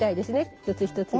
一つ一つが。